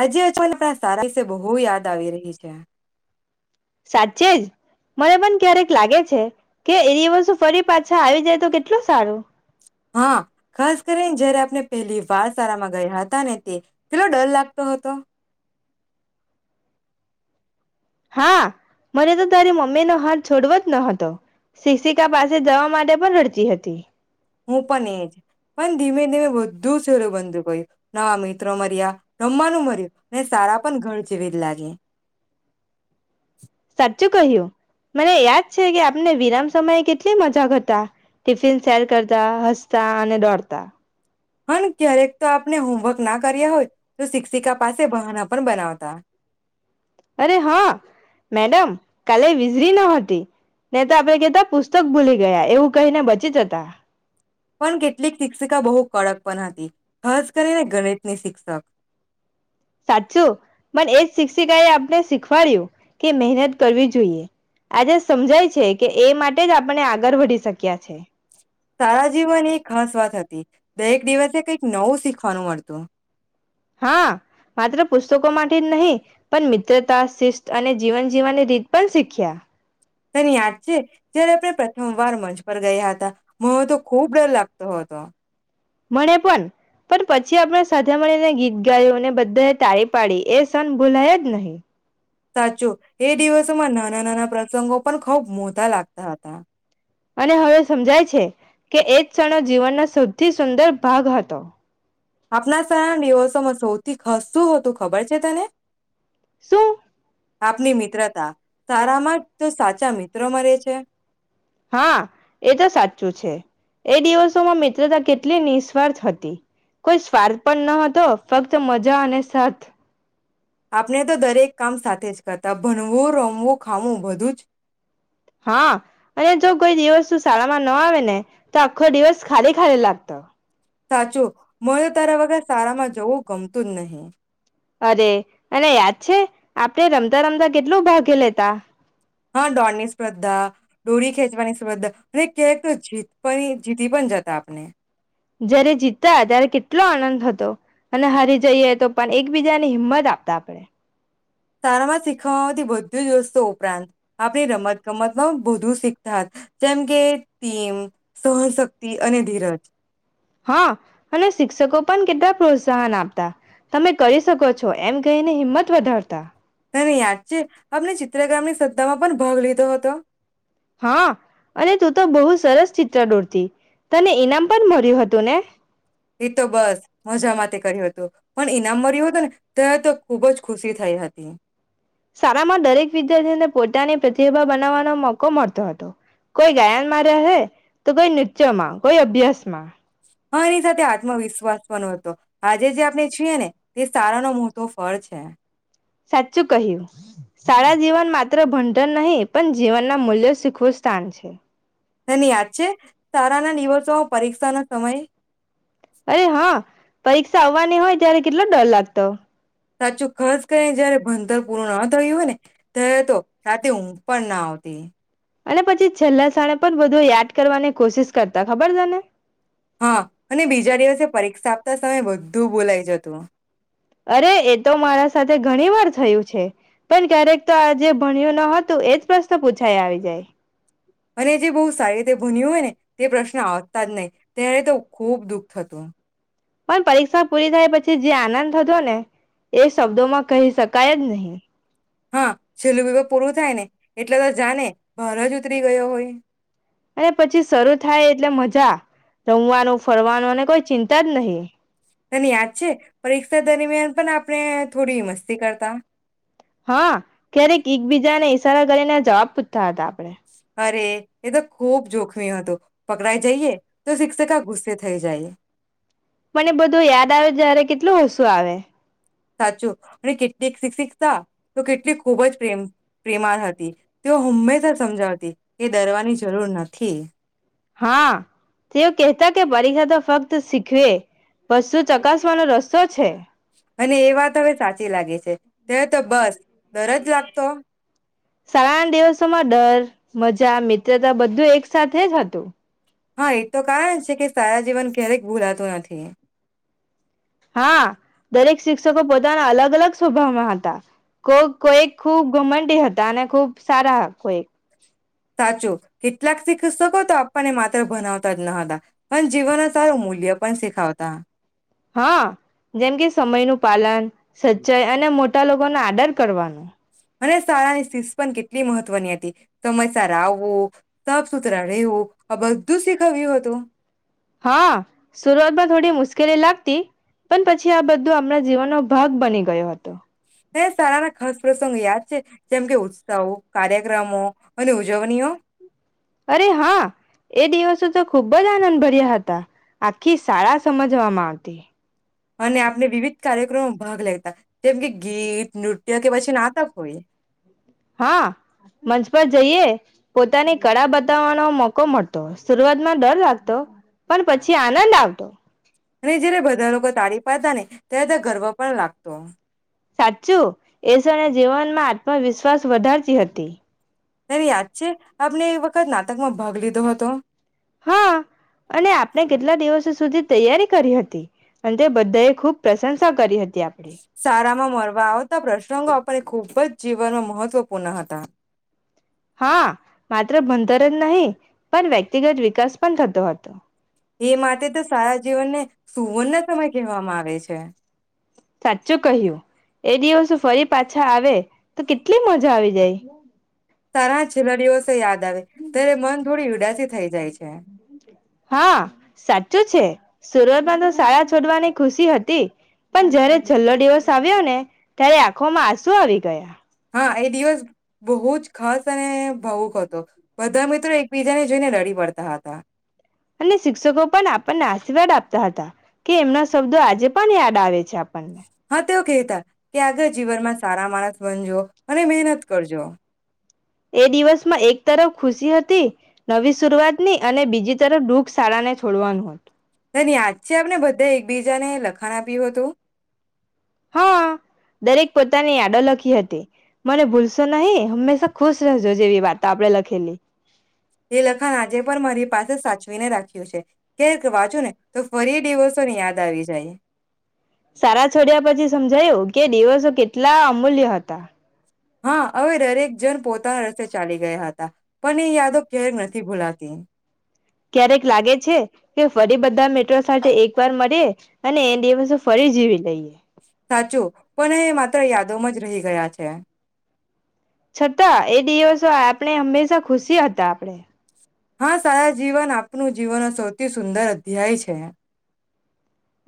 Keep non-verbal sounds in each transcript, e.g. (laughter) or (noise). આજે અચાનક (unintelligible) સારા બહુ યાદ આવી રહી છે. સાચે જ મને પણ ક્યારેક લાગે છે કે એ દિવસો ફરી પાછા આવી જાય તો કેટલું સારું! હા, ખાસ કરીને જયારે આપને પહેલી વાર શાળામાં ગયા હતા ને તે કેટલો ડર લાગતો હતો. હા મને તો તારી મમ્મી નો હાથ છોડવો જ ન હતો શિક્ષિકા પાસે જવા માટે પણ રડતી હતી. હું પણ એજ પણ ધીમે ધીમે બધુ (unintelligible) બંધુ (unintelligible) નવા મિત્રો મળયા રમવાનું મર્યું ને સારા પણ ઘર જેવી જ લાગે સાચું કહ્યું, મને યાદ છે કે આપને વિરામ સમયે કેટલી મજા કરતા ટિફિન શેર કરતા, હસતા અને દોડતા હ ને ક્યારેક તો આપણે હોમવર્ક ના કર્યા હોય તો શિક્ષિકા પાસે બહાના પણ બનાવતા. તા. અરે હ મેડમ કાલે વિઝળી ન હતી ને તો આપણે કહેતા પુસ્તક ભૂલી ગયા એવું કહીને બચી જતા. પણ કેટલીક શિક્ષિકા બહુ કડક પણ હતી ખાસ કરીને ગણિતની શિક્ષક સાચું પણ એજ શિક્ષિકા એ આપને શીખવાડ્યું કે મહેનત કરવી જોઈએ આજે સમજાય છે કે એ માટે જ આપણે આગળ વધી શક્યા છે. સારા જીવન એ ખાસ વાત હતી દરેક દિવસે કઈક નવું શીખવાનું મળતું. તો હા માત્ર પુસ્તકો માટે જ નહીં પણ મિત્રતા, શિસ્ત અને જીવન જીવવાની રીત પણ શીખ્યા. તને યાદ છે જયારે આપણે પ્રથમ વાર મંચ પર ગયા હતા મને તો ખુબ ડર લાગતો. તો હતો. મણે પણ પણ પછી આપણે સાથે મળીને ગીત ગાયું ને બધાએ તાળી પાડી એ શણ ભૂલાય જ નહી. સાચું એ દિવસોમાં નાના-નાના પ્રસંગો પણ ખુબ મોટા લાગતા હતા. અને હવે સમજાય છે કે એ જ ક્ષણો જીવનનો સૌથી સુંદર ભાગ હતો. આપણા સારા દિવસોમાં સૌથી થી ખાશ શું હતું ખબર છે તને. શું આપની મિત્રતા સારામાં તો સાચા મિત્રો મળે છે હા એ તો સાચું છે. એ દિવસોમાં મિત્રતા કેટલી નિસ્વાર્થ હતી કોઈ સ્વાર્થ પણ ન હતો ફક્ત મજા અને સાથ આપણે તો દરેક કામ સાથે જ કરતા ભણવું, રમવું ખાવું બધું જ હા, અને જો કોઈ દિવસ શાળામાં ના આવે ને તો આખો દિવસ ખાલી ખાલી લાગતો. સાચું મને તો તારા વગર સારામાં જવું ગમતું જ નહી. અરે અને યાદ છે આપડણે રમતા રમતા કેટલું ભાગે લેતા. હા, દોડની સ્પર્ધા, ડોરી ખેંચવાની સ્પર્ધા અને ક્યારેક તો જીત જીતી પણ જતા આપણે. આપને જયારે જીતા ત્યારે કેટલો આનંદ હતો અને હારી જઈએ તો પણ એકબીજાની હિંમત આપતા આપણે. સારામાં શીખવામાં આવતી બધી જ વસ્તુ ઉપરાંત આપણી રમત ગમત બધું શીખતા હતા. જેમ કે ટીમ સહનશક્તિ અને ધીરજ હા અને શિક્ષકો પણ કેટલા પ્રોત્સાહન આપતા. તમે કરી શકો છો એમ કઈને હિંમત વધારતા. તને યાદ છે, અમને જી ચિત્રકામની સ્પર્ધામાં પણ ભાગ લીધો હતો. હા અને તું તો બહુ સરસ ચિત્ર દોરતી. તને ઈનામ પણ મળર્યું હતું ને? એ તો બસ મજા માટે કર્યું હતું પણ ઈનામ મળ્યું હતું ને ત્યારે તો ખૂબજ ખુશી થઈ હતી. શાળામાં દરેક વિદ્યાર્થીને પોતાની પ્રતિભા બનાવવાનો મોકો મળતો હતો. કોઈ ગાયનમાં રહે, તો કોઈ નૃત્યમાં, કોઈ અભ્યાસમાં. હા એની સાથે આત્મવિશ્વાસ પણ હતો. તો આજે જે આપણે છીએ ને તે શાળાનો મોટો ફળ છે. સાચું કહ્યું, શાળા જીવન માત્ર ભણતર નહી પણ જીવનના મૂલ્ય શીખવું સ્થાન છે. તને યાદ છે શાળાના દિવસોમાં પરીક્ષા નો સમય? અરે હા, પરીક્ષા આવવાની હોય ત્યારે કેટલો ડર લાગતો. સાચું, ખાસ કરીને જયારે ભણતર પૂરું ન થયું હોય ને ત્યારે તો રાતે ઊંઘ પણ ના આવતી. અને પછી છેલ્લા ક્ષણે પણ બધું યાદ કરવાની કોશિશ કરતા ખબર તને? હા અને બીજા દિવસે પરીક્ષા આપતા સમયે બધું ભૂલાય જતું. અરે એ તો મારા સાથે ઘણી વાર થયું છે. પણ ક્યારેક તો આજે ભણ્યું ન હતું એજ પ્રશ્ન પૂછાય આવી જાય. અને જે બહુ સારી રીતે ભણ્યું હોય ને તે પ્રશ્ન આવતા જ નહીં ત્યારે તો ખુબ દુઃખ થતું. પણ પરીક્ષા પૂરી થયા પછી જે આનંદ થતો ને એ શબ્દોમાં કહી શકાય જ નહી. હા, છેલ્લું પેપર પૂરું થાય ને એટલે તો જાને ભાર જ ઉતરી ગયો હોય. અને પછી શરૂ થાય એટલે મજા. રમવાનું, ફરવાનું અને કોઈ ચિં તા જ નહીં. તને યાદ છે? પરીક્ષા દરમિયાન પણ આપણે થોડી મસ્તી કરતા. હા, ક્યારેક એકબીજાને ઈ સારા કરીને જવાબ પૂછતા હતા. આપણે અરે, એ તો ખૂબ જોખમી હતું. પકડાઈ જઈએ તો શિક્ષિકા ગુસ્સે થઈ જાય. મને બધું યાદ આવે ત્યારે કેટલું હસવું આવે. સાચું, અને કેટ (unintelligible) સિક્ષીક્તા તો કેટલી ખૂબ જ પ્રેમ પ્રેમાળ હતી. તેઓ હંમ્મેશા સમજાવતી કે, ડરવાની જરૂર નથી. હા, તેઓ કેહતા કે પરીક્ષા તો ફક્ત શીખવે. પશું ચકાસવાનો રસ્તો છે. અને એ વાત હવે સાચી લાગે છે. (inaudible) બસ ડર જ લાગતો (unintelligible) શાળાના દિવસોમાં ડર, મજા, મિત્રતા બધુ તે એક સાથે જ હતું. હા એ તો કારણ છે, કે સારા જીવન ક્યારેક ભૂલાતું નથી. (inaudible) હા! દરેક શિક્ષકો પોતાના અલગ અલગ સબ સો ભામાં હતા. કો કોઈ ખૂબ મંડ તે હતા. અને ખુબ સારા કોઈ. સાચું કેટલાક શિક્ષકો તો આપણને માત્ર ભનાવતા જ ન હતા. પણ જીવન સારું મૂલ્ય પણ શીખાવતા. હા જેમ કે સમય નું પાલન સચ્ચાઈ અને મોટા લોકોનો આદર કરવા. મને સારાની શિસ પણ કે કેટલી મહત્વની હતી. સમયસર આવવું, સાફ સુથરા રહેેવું, આ બધું શીખવ્યું હતું. હા શરૂઆતમાં થોડી મુશ્કેલી લાગતી પણ પછી આ બધું આમણાં જીવનનો ભાગ બની ગયો. (unintelligible) કેમ સારા મા. (unintelligible) પ્રસંગો યાદ જેમ કે ઉત્સાહો. કાર્યક્રમો અને ઉજવણીઓ (inaudible) અરે હા એ દિવસ તો ખુબ જ આનંદભર્યા હતા. આખી શાળા સમજવામાં આવતી. અને આપને વિવિધ કાર્યક્રમો. (unintelligible) જેમ કે, ગીત નૃત્ય કે પછી નાતક હા મંચ પર જઈએ. પોતાની કળા બતાવવાનો મોકો મળતો, શરુઆત માં ડર લાગતો, પણ પછી આનંદ આવતો. અને જય્યારે બધા લોકો તાળી પાડતા ને. તે તો, ગર્વ પણ લાગતો. સાચું એ (inaudible) જને જીવન માં આત્મવિશ્વાસ વધારતી હતી. તને યાદ છે.? આપને એક વખત નાટકમાં ભાગ લીધો હતો. હા અને આપણે કેટલા દિવસો સુધી તૈયારી કરી હતી. અને તે બધા એ ખુબ પ્રશંસા કરી હતી આપણી. સારામાં મળવા આવતા પ્રસંગો આપને ખુબ જ જીવનમાં મહત્વ પુનઃ હતા. હા માત્ર ભંધરન જ નહી. પણ વ્યક્તિગત વિકાસ પણ થતો હતો. એ માટે તો સારા જીવનને સુવર્ણસમય કહેવામાં આવે છે. સાચું કહ્યું એ દિવસો ફરી પાછા આવે તો કેટલી મજા આવી જાય. તારા છેલ્લા દિવસો યાદ આવે. ત્યારે મન થોડી ઉદા પછી થઈ જાય છે. હા સાચું છે. સુરતમાં તો શાળા છોડવાની ખુશી હતી પણ જયારે છેલ્લો દિવસ આવ્યો ને ત્યારે આંખોમાં આંસુ શું હારી ગયા? હા એ દિવસ બહુ જ ખાસ અને ભાવુક હતો. બધા મિત્રો એકબીજાને જોઈને રડી પડતા હતા. અને શિક્ષકો પણ આપણને આશીર્વાદ આપતા હતા કે એમના શબ્દો આજે પણ યાદ આવે છે આપણને. હા તેવો કહેતા ત્યાગળ જીવન માં સારા માણસ (unintelligible) જો અને મહેનત કરજો. તિ નવી શૂરઆત ની અને બીજી તરફ દુઃખ શાળાને છોડવાનું હતું તને યાદ છે આપને બધે બીજાને લખાણ આપ્યું હતું. હા. દરેક પોતાને યાદો લખી કિ હતી. મને ભૂલશો નહીં. હંમેશા ખુશ રહેજો જેવી વાતો આપણે લખ લખેલી એ લખાણ આજે પણ મારી પાસે સાચવીને રાખ રાખ્યું છે. કે તે વાંચું ને તો ફરી દીવોસો ની યાદ આવી જાય. શાળા છોડ્યા પછી સમજાયું કે દિવસો કેટલા અમૂલ્ય હતા. હા હવે દરેક જન પોતાના રસ્તે ચાલી ગયા હત હતા. પણ એ યાદો ક્યારેક નથી ભૂલાતી ક્યારેક લાગે છે કે ફરી બધા મી ત્ર સાથે એક વાર મળીએ. અને એ દિવસો ફરી જીવી લઈએ. સાચું, પણ એ માત્ર યાદોમાં જ રહી ગયા છે. છતાં એ દિવસો આ પણે હંમેશા ખુશી હતા આપણેે. હા, સારા જીવન આ પનું જીવનનો સૌથી સુંદર અધ્યાય છે.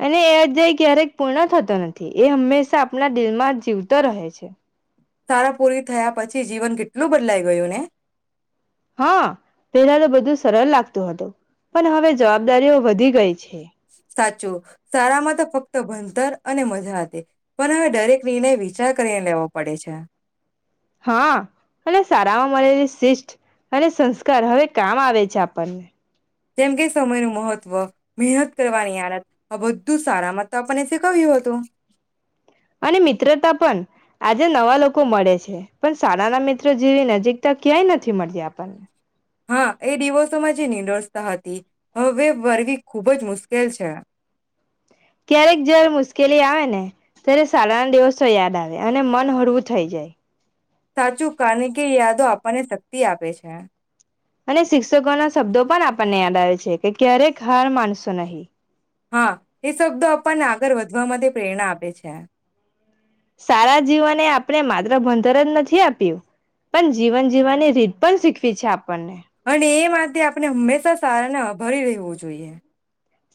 અને એ અધ્યાય ક્યારેક પૂર્ણ થતો નથી. એ હંમેશા આપણા દિલમાં જીવતો રહે છે. સારા પૂરી થયા પછી જીવન કેટ ટલું બદલાઈ ગયું ને? હા, પેલા તો બધું સરળ લાગતું હતું. પણ હવે જવાબદારીઓ વધી ગઈ છે સાચું, સારામાં તો ફક્ત ભનતર અને મજા હતી. પણ હવે દરેક નિર્ણય વિચાર કરીને લેવો પડે છે. હા, અને સારામાં મળેલી શિષટ અને સંસ્કાર હવે કામ આવે છે આપણને. જેમ કે સમયનું મહત્વ, મેહનત કરવાની આદત. આ બધું સારામાં તો આપણને શીખવ્યું હતું. અને મિત્રતા પન. આજે નવા લોકો મળે છે. પણ શાળાના મિત્રો જેવી નજીકતા ક્યાંય નથી મળતી આપણને. હા, એ ડિવસોમાં જે નિડસ્તા હતી હવે વરવી ખૂબ જ મુશ્કેલ છે. ક્યારેક જ્યારે મુશ્કેલી આવે ને ત્યારે સાલાના દિવસો યાદ આવે અને મન હળવું થઈ જાય. સાચું, કાને કે એ યાદો આપને શક્તિ આ પે છે. અને શિક્ષકોના શબ્દો પણ આપણને યાદ આવે છે કે, ક્યારેક હાર માનસો નહી. હા, એ શબ્દો આપણને આગળ વધવા માટે પ્રેરણા આપે છે. સારા જીવને આપણે માત્ર ભણતર જ નથી આપ્યું. પન જીવન જીવાની રીત પણ શીખવી છે આ અને એ માટે આપણે હમ્મેશા સારાના ભરી રેહવું જોઈએ.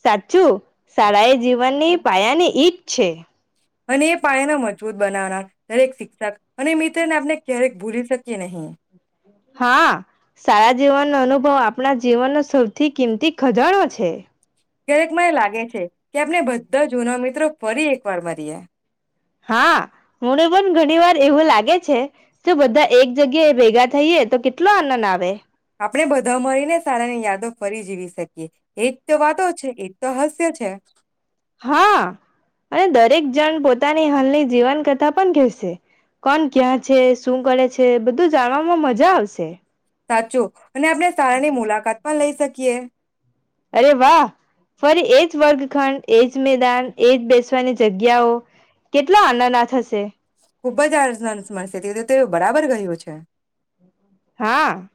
સાચું, શાળા એ જીવનની પાયાની ઈટ છે. અને એ પાયાને મજબૂત બનાવનાર દરેક શિક્ષક અને મિત્રને આપને ક્યારેક ભૂલી શકીએ નહીં. હા, સારા જીવનનો અનુભવ આપણા જીવનનો સૌથી કિંમતી ખજાણો છે. ક્યારેક મને લાગે છે કે, આપને બદ્ધા જૂના મિત્રો ફરી એકવાર મરીએ. હા, મને પણ ઘણી વાર એવું લાગે છે કે બધા એક જગ્યાએ ભેગા થઈએ તો કેટલો આનન આવે. આપણે બધા મળીને સારાની યાદો ફરી જીવી સકીએ. એજ તો વાતો છે. એજ તો હાસ્ય છે. હા અને દરેક જણ પોતાની હાલની જીવન કથા પન કહેશે. કોન ક્યાં છે, શું કરે છે બધું જાણવામાં મજા આવશે. સાચું, અને આપને સારાની મુલાકાત પણ લઈ શકીએ. અરે વાહ ફરી એજ વર્ગખંડ, એજ મેદાન, એજ બેસવાની જગ્યાઓ કેટલા આનાના થશે. ખુબ જ (unintelligible) મળશે (unintelligible) તેઓ બરાબર કહ્યું છે. હા.